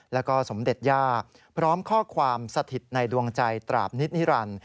แล้วก็สมเด็จย่าพร้อมข้อความสถิตในดวงใจตราบนิตนิรันดิ์